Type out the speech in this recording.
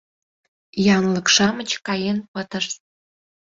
Янлык-шамыч каен пытышт.